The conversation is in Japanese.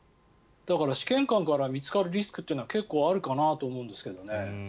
だから、試験官から見つかるリスクっていうのは結構あるかなと思うんですけどね。